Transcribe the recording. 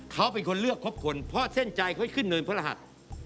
เขาเป็นคนเลือกครบคนเพราะเส้นใจค่อยขึ้นเนินพระรหัส